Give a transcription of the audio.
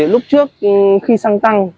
lúc trước khi xăng tăng